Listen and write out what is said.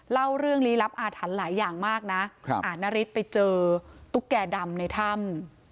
เล่าเรื่องลี้ลับอาถรรพ์หลายอย่างมากนะนาริสไปเจอตุ๊กแก่ดำในถ้ำ